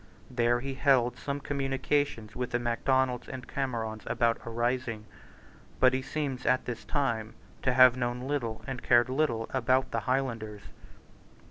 There he held some communications with the Macdonalds and Camerons about a rising. But he seems at this time to have known little and cared little about the Highlanders.